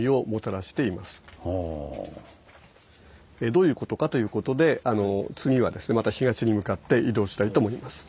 どういうことかということで次はですねまた東に向かって移動したいと思います。